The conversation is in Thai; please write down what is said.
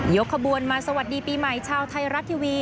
กระบวนมาสวัสดีปีใหม่ชาวไทยรัฐทีวี